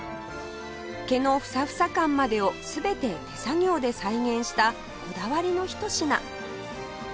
毛のフサフサ感までを全て手作業で再現したこだわりのひと品